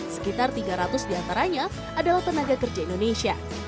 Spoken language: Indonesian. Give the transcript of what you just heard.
sekitar tiga ratus di antaranya adalah tenaga kerja indonesia